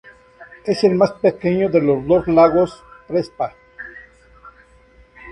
Es el más pequeño de los dos lagos Prespa.